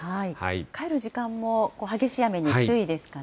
帰る時間も激しい雨に注意ですかね。